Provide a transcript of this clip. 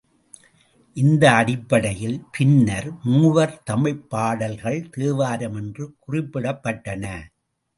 இந்த அடிப்படையில், பின்னர், மூவர் தமிழ்ப் பாடல்கள் தேவாரம் என்று குறிப்பிடப்பட்டன.